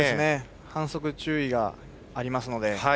反則注意がありますので。